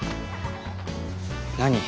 何？